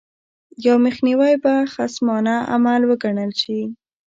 یا مخنیوی به خصمانه عمل وګڼل شي.